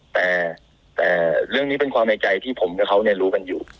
แต่เรื่องนี้เป็นความในใจที่ผมกับเขารู้กันอยู่